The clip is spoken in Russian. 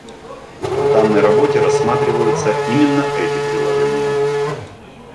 В данной работе рассматриваются именно эти приложения